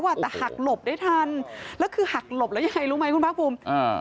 แต่หักหลบได้ทันแล้วคือหักหลบแล้วยังไงรู้ไหมคุณภาคภูมิอ่า